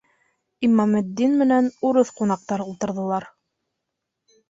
Имаметдин менән урыҫ ҡунаҡтар ултырырҙар.